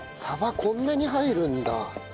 こんなに入るんだ。